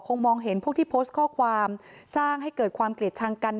มองเห็นพวกที่โพสต์ข้อความสร้างให้เกิดความเกลียดชังกัน